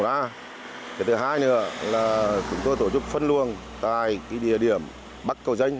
cái thứ hai nữa là chúng tôi tổ chức phân luồng tại cái địa điểm bắc cầu danh